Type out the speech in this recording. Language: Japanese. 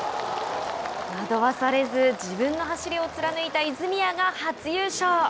惑わされず自分の走りを貫いた泉谷が初優勝。